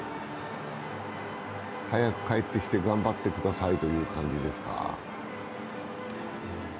早く帰ってきて頑張ってくださいという感じですか。